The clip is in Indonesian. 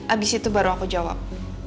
abis itu baru aku jawab